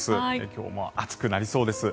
今日も暑くなりそうです。